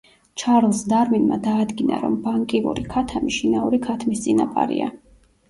ჩარლზ დარვინმა დაადგინა, რომ ბანკივური ქათამი შინაური ქათმის წინაპარია.